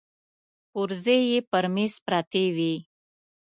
پرزې يې پر مېز پرتې وې.